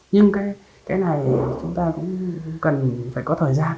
nhưng cái này chúng ta cũng cần phải cố gắng phải cố gắng phải cố gắng phải cố gắng phải cố gắng